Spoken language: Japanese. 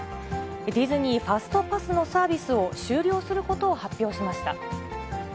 ディズニーファストパスのサービスを終了することを発表しました。